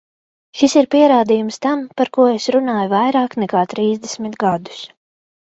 Šis ir pierādījums tam, par ko es runāju vairāk nekā trīsdesmit gadus.